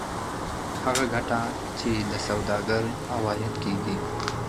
هغه ګټه چې د سوداګر عواید کېږي